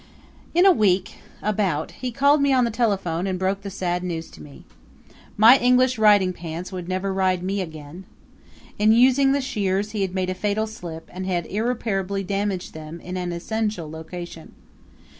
In a week about he called me on the telephone and broke the sad news to me. My English riding pants would never ride me again. In using the shears he had made a fatal slip and had irreparably damaged them in an essential location.